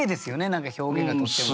何か表現がとってもね。